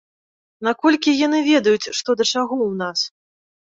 Наколькі яны ведаюць, што да чаго ў нас?